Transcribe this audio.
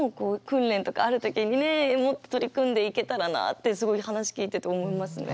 もっと取り組んでいけたらなってすごい話聞いてて思いますね。